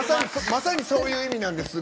まさにそういう意味です。